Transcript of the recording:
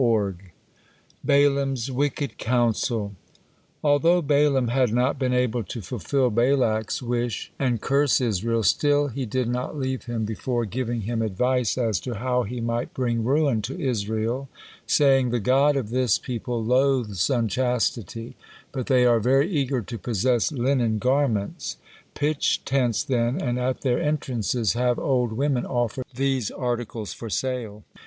BALAAM'S WICKED COUNSEL Although Balaam had not been able to fulfil Balak's wish and curse Israel, still he did not leave him before giving him advice as to how he might bring ruin to Israel, saying: "The God of this people loathes unchastity; but they are very eager to possess linen garments. Pitch tents, then, and at their entrances have old women offer these articles for sale.